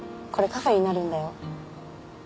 カフェになるんだよ